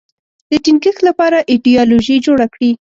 د ټینګښت لپاره ایدیالوژي جوړه کړي